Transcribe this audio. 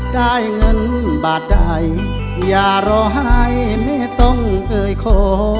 ได้เงินบาทใดอย่ารอให้แม่ต้องเอ่ยขอ